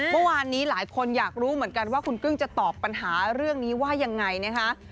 เมื่อวานนี้หลายคนอยากรู้เหมือนกันว่าคุณกึ้งจะตอบปัญหาเรื่องนี้ว่ายังไงนะคะ